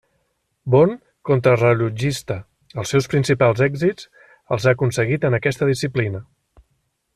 Bon contrarellotgista, els seus principals èxits els ha aconseguit en aquesta disciplina.